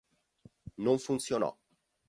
Non funzionò.